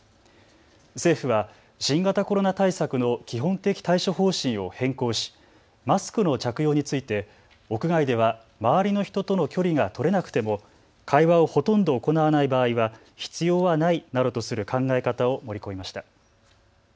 政府は新型コロナ対策の基本的対処方針を変更しマスクの着用について屋外では周りの人との距離が取れなくても会話をほとんど行わない場合は必要はないなどとする考え方を盛り込みました。